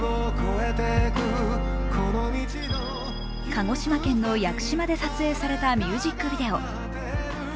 鹿児島県の屋久島で撮影されたミュージックビデオ。